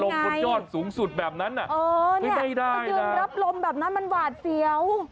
ลมขนยอดสูงสุดแบบนั้นไม่ได้นะครับเออยืนรับลมแบบนั้นมันหวาดเสียว